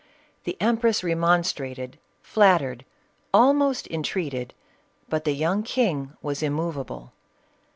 The empress remonstrated, flattered, almost entreated, but the young king was immovable.